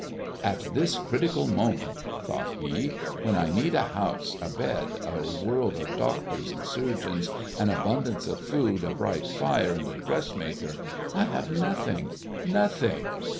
"At this critical moment," thought he, "when I need a house, a bed, a world of doctors and surgeons, an abundance of food, a bright fire and a dressmaker, I have nothing nothing!"